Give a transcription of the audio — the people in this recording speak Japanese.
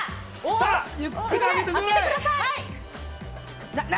ゆっくり開けてください。